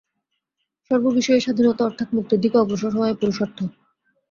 সর্ববিষয়ে স্বাধীনতা অর্থাৎ মুক্তির দিকে অগ্রসর হওয়াই পুরুষার্থ।